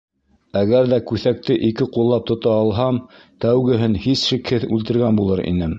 Әгәр ҙә күҫәкте ике ҡуллап тота алһам, тәүгеһен һис шикһеҙ үлтергән булыр инем.